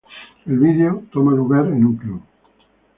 El video toma lugar en un club.